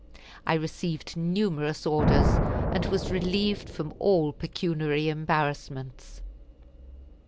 I received numerous orders, and was relieved from all pecuniary embarrassments.